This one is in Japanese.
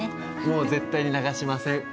もう絶対に流しません。